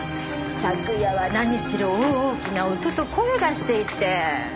昨夜は何しろ大きな音と声がしていて。